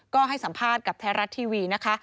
ก็ให้สัมภาษณ์กับไทยรัฐทีวีนะคะ